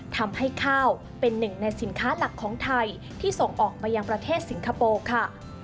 ทำให้ข้าวเป็นหนึ่งในสินค้าหลักของไทยที่ส่งออกมายังประเทศสิงคโปร์ค่ะ